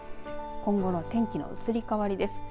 今後の天気の移り変わりです。